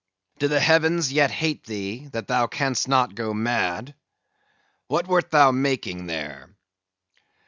Do the heavens yet hate thee, that thou can'st not go mad?—What wert thou making there?"